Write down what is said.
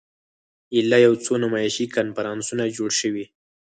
ایله یو څو نمایشي کنفرانسونه جوړ شوي.